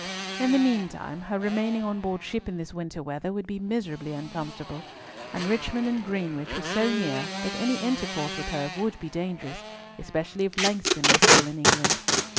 In the meantime her remaining on board ship in this winter weather would be miserably uncomfortable, and Richmond and Greenwich were so near that any intercourse with her would be dangerous, especially if Langston was still in England.